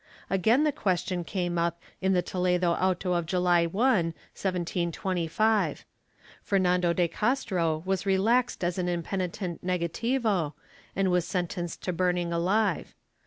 Again the question came up in the Toledo auto of July 1, 1725. Fernando de Castro was relaxed as an impenitent negativo and was sentenced to burning alive.